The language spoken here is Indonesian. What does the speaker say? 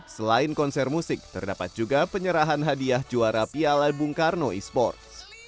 selain konser musik terdapat juga penyerahan hadiah juara piala bung karno e sports